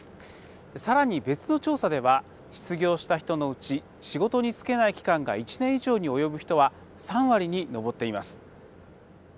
さらに別の調査では失業した人のうち仕事に就けない期間が１年以上に及ぶ人は３割に上っています。